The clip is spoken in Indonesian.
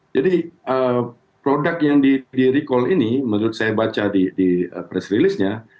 jadi produk yang di recall ini menurut saya baca di press release nya